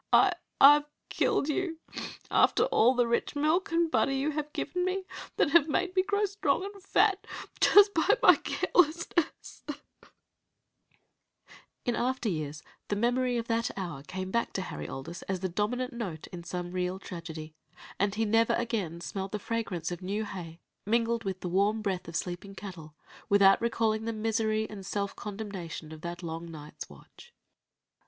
"I I have killed you after all the rich milk and butter you have given me, that have made me grow strong and fat just by my carelessness!" In after years the memory of that hour came back to Harry Aldis as the dominant note in some real tragedy, and he never again smelled the fragrance of new hay, mingled with the warm breath of sleeping cattle, without recalling the misery and self condemnation of that long night's watch.